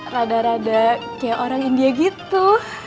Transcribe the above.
rada rada kayak orang india gitu